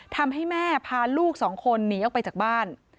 ทำให้แม่พาลูกสองคนหนีออกไปจากบ้าน